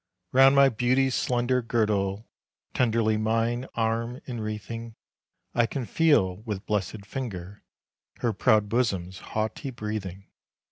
Round my beauty's slender girdle, Tenderly mine arm enwreathing, I can feel with blessed finger Her proud bosom's haughty breathing.